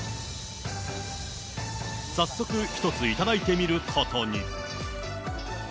早速、１つ頂いてみることに。